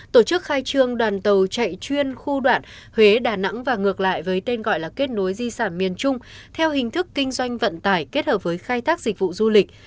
tổ chức khai trương đoàn tàu chạy chuyên khu đoạn huế đà nẵng và ngược lại với tên gọi là kết nối di sản miền trung theo hình thức kinh doanh vận tải kết hợp với khai thác dịch vụ du lịch